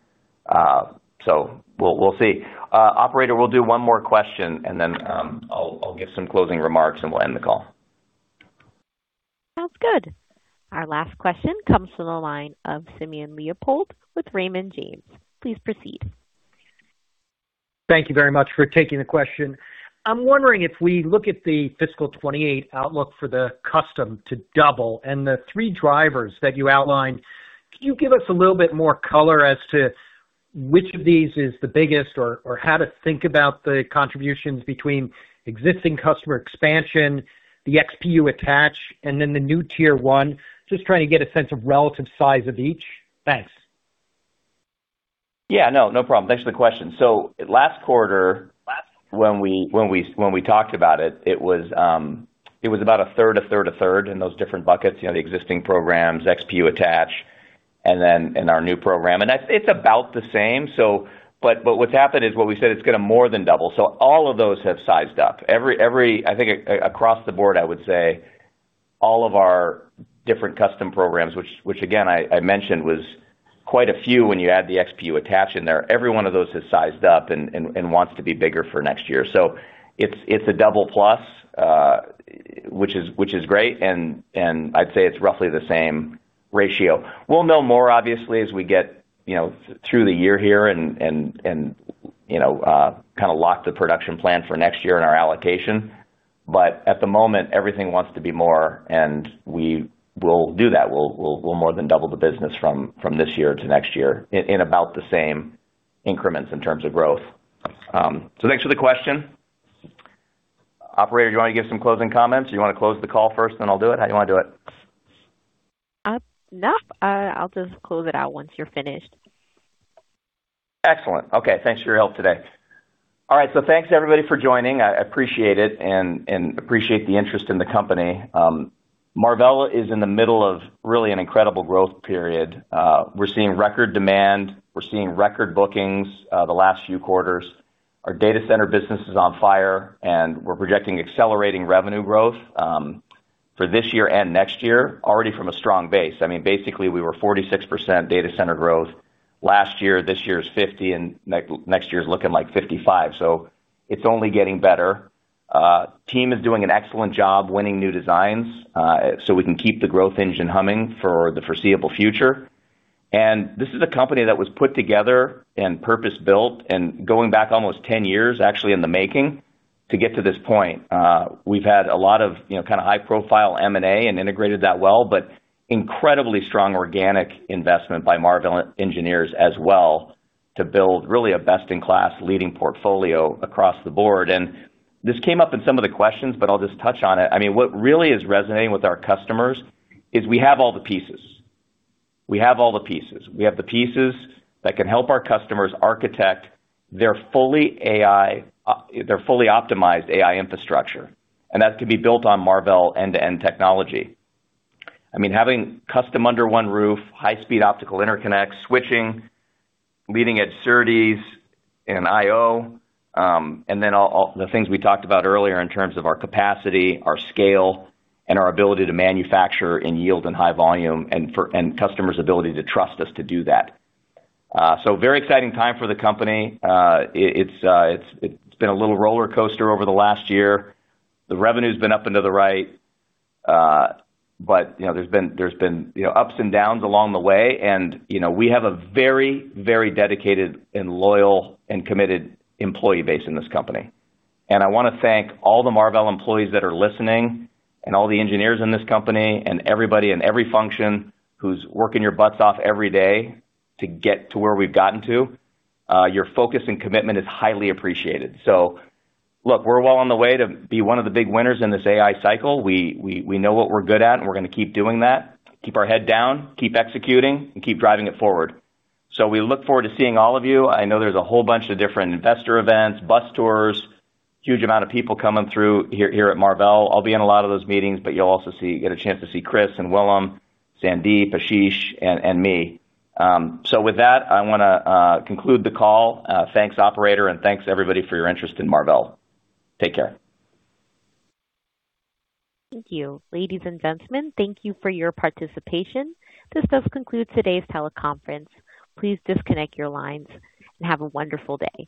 We'll see. Operator, we'll do one more question, and then I'll give some closing remarks, and we'll end the call.
Sounds good. Our last question comes from the line of Simon Leopold with Raymond James. Please proceed.
Thank you very much for taking the question. I am wondering, if we look at the fiscal 2028 outlook for the custom to double and the three drivers that you outlined, can you give us a little bit more color as to which of these is the biggest, or how to think about the contributions between existing customer expansion, the XPU attach, and then the new Tier 1? Just trying to get a sense of relative size of each. Thanks.
Yeah. No problem. Thanks for the question. Last quarter, when we talked about it was about 1/3, 1/3, 1/3 in those different buckets, the existing programs, XPU attach, and our new program. It's about the same. What's happened is what we said, it's going to more than double. All of those have sized up. I think across the board, I would say, all of our different custom programs, which again, I mentioned was quite a few when you add the XPU attach in there, every one of those has sized up and wants to be bigger for next year. It's a double plus, which is great, and I'd say it's roughly the same ratio. We'll know more, obviously, as we get through the year here and lock the production plan for next year and our allocation. At the moment, everything wants to be more, and we will do that. We'll more than double the business from this year to next year in about the same increments in terms of growth. Thanks for the question. Operator, do you want to give some closing comments? You want to close the call first, then I'll do it? How do you want to do it?
No. I'll just close it out once you're finished.
Excellent. Okay. Thanks for your help today. All right, thanks everybody for joining. I appreciate it, appreciate the interest in the company. Marvell is in the middle of really an incredible growth period. We're seeing record demand, we're seeing record bookings the last few quarters. Our data center business is on fire, we're projecting accelerating revenue growth for this year and next year, already from a strong base. Basically, we were 46% data center growth last year. This year is 50%, next year is looking like 55%. It's only getting better. Team is doing an excellent job winning new designs, we can keep the growth engine humming for the foreseeable future. This is a company that was put together and purpose-built and going back almost 10 years, actually, in the making to get to this point. We've had a lot of high-profile M&A and integrated that well, incredibly strong organic investment by Marvell engineers as well to build really a best-in-class leading portfolio across the board. This came up in some of the questions, I'll just touch on it. What really is resonating with our customers is we have all the pieces. We have the pieces that can help our customers architect their fully optimized AI infrastructure, that can be built on Marvell end-to-end technology. Having custom under one roof, high-speed optical interconnect, switching, leading edge SerDes and I/O, all the things we talked about earlier in terms of our capacity, our scale, our ability to manufacture and yield in high volume, customers' ability to trust us to do that. Very exciting time for the company. It's been a little roller coaster over the last year. The revenue's been up and to the right. There's been ups and downs along the way, and we have a very dedicated and loyal and committed employee base in this company. I want to thank all the Marvell employees that are listening and all the engineers in this company and everybody in every function who's working your butts off every day to get to where we've gotten to. Your focus and commitment is highly appreciated. Look, we're well on the way to be one of the big winners in this AI cycle. We know what we're good at, and we're going to keep doing that, keep our head down, keep executing, and keep driving it forward. We look forward to seeing all of you. I know there's a whole bunch of different investor events, bus tours, huge amount of people coming through here at Marvell. I'll be in a lot of those meetings, but you'll also get a chance to see Chris and Willem, Sandeep, Ashish, and me. With that, I want to conclude the call. Thanks, operator, and thanks everybody for your interest in Marvell. Take care.
Thank you. Ladies and gentlemen, thank you for your participation. This does conclude today's teleconference. Please disconnect your lines and have a wonderful day.